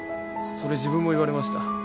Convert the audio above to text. それ自分も言われました。